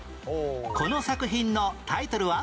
この作品のタイトルは？